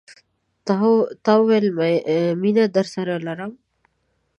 تا ويل، میینه درسره لرم